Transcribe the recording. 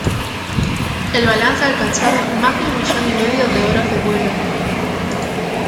El balance alcanzaba más de un millón y medio de horas de vuelo.